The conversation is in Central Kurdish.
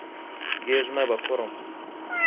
گێژ مەبە، کوڕم.